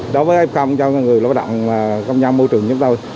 đối với f cho người lao động công nhân môi trường chúng tôi